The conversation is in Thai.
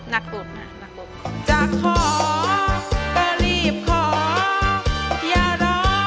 นักสุด